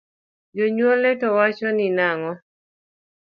Jonyuolne to wachoni nang’o?